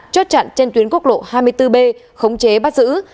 chốt chặn trên tuyến quốc lộ hai mươi bốn b khống chế bắt giữ